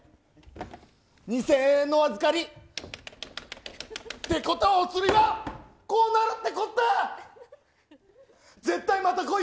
２０００円のお預かり！ってことはお釣りはこうなるってこった！